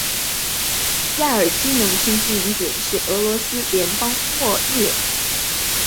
亚尔基农村居民点是俄罗斯联邦沃罗涅日州新霍皮奥尔斯克区所属的一个农村居民点。